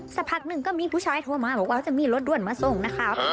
สักพักหนึ่งก็มีผู้ชายโทรมาบอกว่าจะมีรถด้วนมาส่งนะครับ